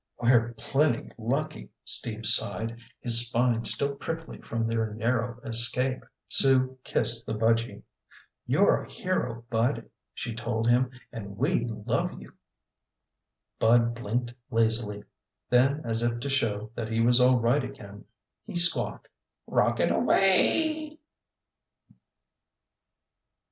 "We're plenty lucky!" Steve sighed, his spine still prickly from their narrow escape. Sue kissed the budgy. "You're a hero, Bud," she told him, "and we love you!" Bud blinked lazily. Then as if to show that he was all right again, he squawked, "Rocket away!"